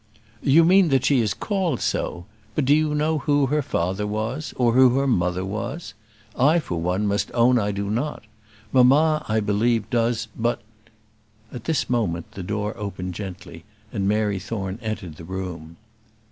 "You mean that she is called so; but do you know who her father was, or who her mother was? I, for one, must own I do not. Mamma, I believe, does, but " At this moment the door opened gently and Mary Thorne entered the room.